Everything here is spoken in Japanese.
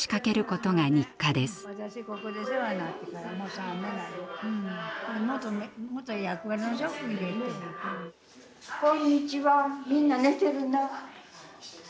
こんにちは。